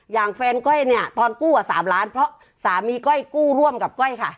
อย่างแฟนก้อยเนี่ยตอนกู้กับ๓ล้านเพราะสามีก้อยกู้ร่วมกับก้อยค่ะ